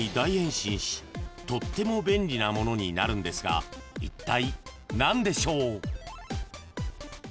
［とっても便利なものになるんですがいったい何でしょう？］